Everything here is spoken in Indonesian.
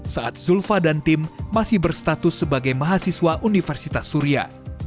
saat zulfa dan tim masih berstatus sebagai mahasiswa universitas surya